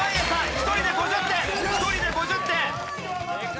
１人で５０点１人で５０点。